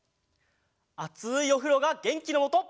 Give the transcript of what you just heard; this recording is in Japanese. あついおふろがげんきのもと！